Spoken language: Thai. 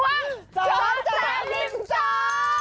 เจ้าแจริมเจ้า